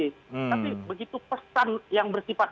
tapi begitu pesan yang bersifat